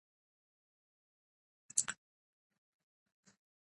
دا زموږ د بریالیتوب کیلي ده.